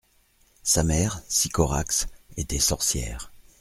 Sa mère, Sycorax, était sorcière.